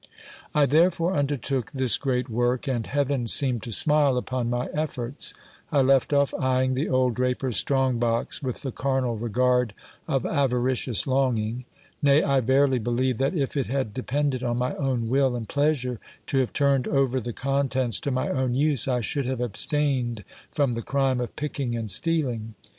I therefore undertook this great work, and heaven seemed to smile upon my efforts : I left off eyeing the old draper's strong box with the carnal regard of avaricious longing : nay, I verily believe, that if it had depended on my own will and pleasure to have turned over the contents to my own use, I should have abstained from the crime of picking and stealing.